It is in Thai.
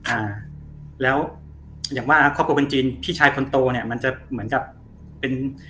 อ่าแล้วอย่างว่าครอบครัวเป็นจีนพี่ชายคนโตเนี้ยมันจะเหมือนกับเป็น